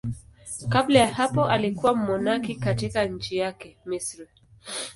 Kabla ya hapo alikuwa mmonaki katika nchi yake, Misri.